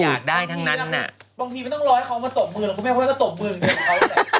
บางทีมันต้องรอให้เขามาตบมือหรอกพวกแม่พ่อให้เขาตบมืออย่างเดียว